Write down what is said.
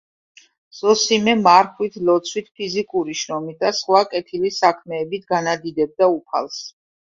ზოსიმე მარხვით, ლოცვით, ფიზიკური შრომით და სხვა კეთილი საქმეებით განადიდებდა უფალს.